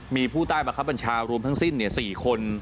มีผู้ใต้บังคับบัญชารวมทั้งสิ้น๔คน